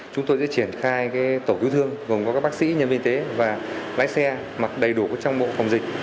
chúng tôi sẽ triển khai tổ cứu thương gồm có các bác sĩ nhân viên y tế và lái xe mặc đầy đủ trong bộ phòng dịch